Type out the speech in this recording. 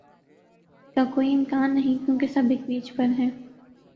کا کوئی امکان نہیں کیونکہ سب ایک پیج پر ہیں